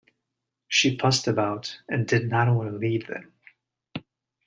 She fussed about, and did not want to leave them.